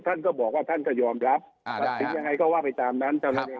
ท่านก็บอกว่าท่านก็ยอมรับยังไงก็ว่าไปตามนั้น